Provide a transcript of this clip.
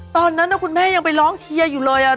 ตอนนั้นคุณแม่ยังไปร้องเชียร์อยู่เลย